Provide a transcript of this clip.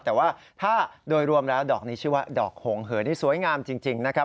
แต่ว่าถ้าโดยรวมแล้วดอกนี้ชื่อว่าดอกหงเหอนี่สวยงามจริงนะครับ